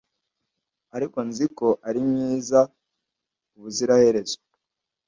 ariko nzi ko ari mwiza ubuziraherezo